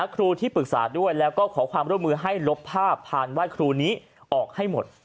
ครูที่ปรึกษาด้วยแล้วก็ขอความร่วมมือให้ลบภาพผ่านไหว้ครูนี้ออกให้หมด